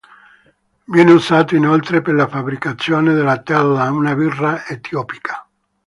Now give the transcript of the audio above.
Viene usato inoltre per la fabbricazione della "tella", una birra etiopica.